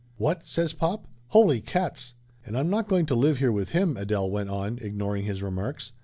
"What!" says pop. "Holy cats!" "And I'm not going to live here with him," Adele went on, ignoring his remarks.